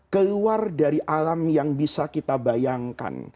keluar dari alam yang bisa kita bayangkan